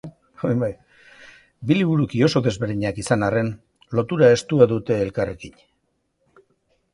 Bi liburuki oso desberdinak izan arren, lotura estua dute elkarrekin.